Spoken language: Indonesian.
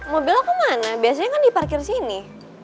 mobil aku mana biasanya kan diparkir sini